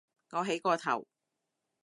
我起個頭